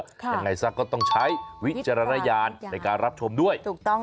ยังไงสักก็ต้องใช้วิจารณญาณในการรับชมด้วย